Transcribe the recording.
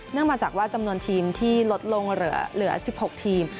มาจากว่าจำนวนทีมที่ลดลงเหลือ๑๖ทีม